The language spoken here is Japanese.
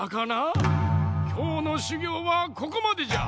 きょうのしゅぎょうはここまでじゃ。